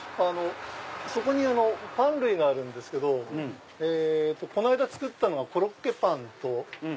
そこにパン類があるんですけどこの間作ったのはコロッケパンと。